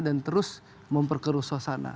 dan terus memperkerusosan